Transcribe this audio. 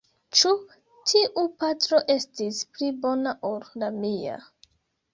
Ĉu tiu patro estis pli bona ol la mia?